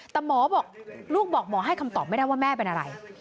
แต่หมอบอกลูกบอกหมอให้คำตอบไม่ได้ว่าแม่เป็นอะไร